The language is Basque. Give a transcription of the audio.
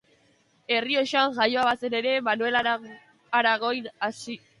Errioxan jaioa bazen ere, Manuel Aragoin hazi zen.